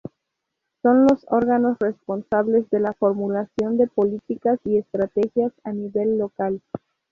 Son los órganos responsables de la formulación de políticas y estrategias a nivel local.